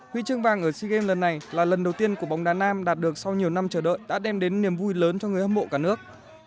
huy chương vàng ở sea games lần này là lần đầu tiên của bóng đá nam đạt được sau nhiều năm chờ đợi đã đem đến niềm vui lớn cho người hâm mộ cả nước